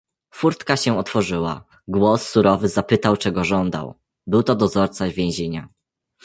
"Furtka się otworzyła, głos surowy zapytał czego żądał; był to dozorca więzienia."